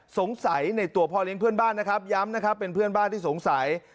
สงสัยในตัวพ่อเลี้ยงเพื่อนบ้านนะครับย้ำนะครับเป็นเพื่อนบ้านที่สงสัย